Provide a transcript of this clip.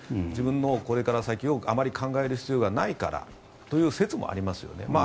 自分のこれから先をあまり考える必要がないからという説もありますよね。